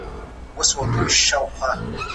د بل چا د خط لوستل کله ناکله ستونزمن وي.